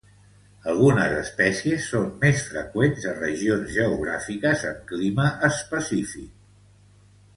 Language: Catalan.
Algunes espècies són més freqüents a regions geogràfiques amb clima específic.